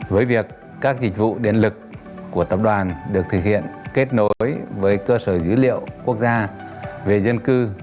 với việc các dịch vụ điện lực của tập đoàn được thực hiện kết nối với cơ sở dữ liệu quốc gia về dân cư